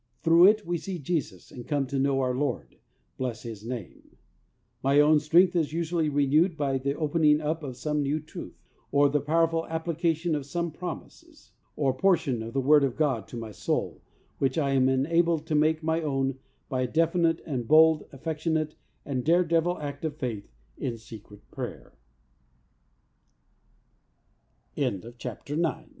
Through it we see Jesus and come to know our Lord. Bless His name! My own strength is usually renewed by the opening up of some new truth, or the powerful application of some promises, or portion of the Word of God to my soul, which I am enabled to make my own by a definite and bold, affectionate and dare devil act of fa